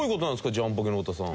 ジャンポケの太田さん。